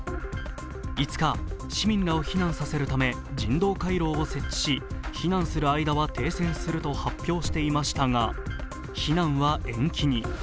５日、市民らを避難させるため、人道回廊を設置し、避難する間は停戦すると発表していましたが、避難は延期に。